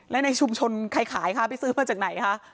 แล้วในชุมชนใครขายคะไปซื้อมาจากไหนคะ